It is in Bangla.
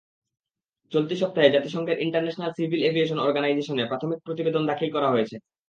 চলতি সপ্তাহে জাতিসংঘের ইন্টারন্যাশনাল সিভিল এভিয়েশন অর্গানাইজেশনে প্রাথমিক প্রতিবেদন দাখিল করা হয়েছে।